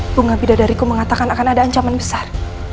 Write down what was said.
bunga bidadariku mengatakan akan ada ancaman besar